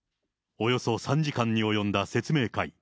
およそ３時間に及んだ説明会。